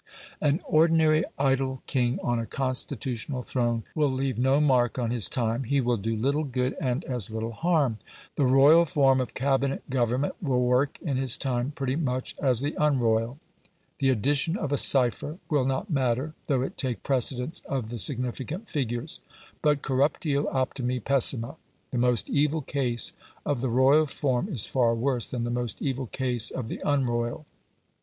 An ordinary idle king on a constitutional throne will leave no mark on his time: he will do little good and as little harm; the royal form of Cabinet government will work in his time pretty much as the unroyal. The addition of a cypher will not matter though it take precedence of the significant figures. But corruptio optimi pessima. The most evil case of the royal form is far worse than the most evil case of the unroyal.